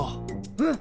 うん！